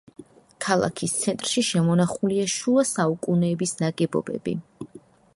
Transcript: ქალაქის ცენტრში შემონახულია შუა საუკუნეების ნაგებობები.